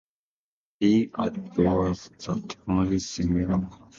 D. at Dallas Theological Seminary.